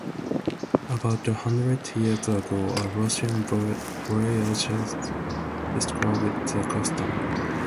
About a hundred years ago a Russian voyager described the custom.